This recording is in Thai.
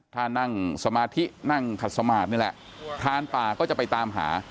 ถ้านั่งสมาธินั่งขัดสมาธินี่แหละพรานป่าก็จะไปตามหา